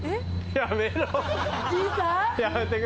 やめろ！